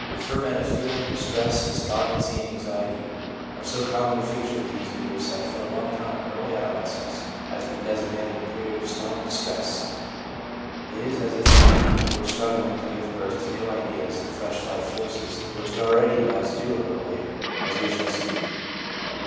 Ferment of feeling, distress, despondency and anxiety are so common a feature of these years that for a long time early adolescence has been designated a period of 'storm and stress.' It is as if the being were strug gling to give birth to new ideas and fresh life forces, which it really does do a little later, as we shall see.